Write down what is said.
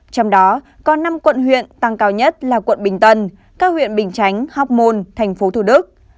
trong đó có năm quận huyện tăng cao nhất là quận bình tân các huyện bình chánh hóc môn tp thủ đức